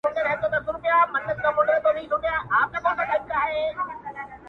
• واوری دا د زړه په غوږ، پیغام د پېړۍ څه وايي -